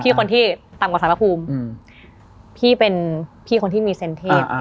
พี่คนที่ตามกว่าสามารถภูมิอืมพี่เป็นพี่คนที่มีเซ็นเทพอ่า